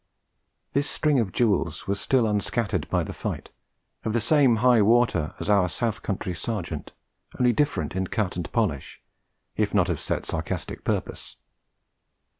This string of jewels was still unscattered by the fight, of the same high water as our south country Sergeant, only different in cut and polish, if not of set sarcastic purpose.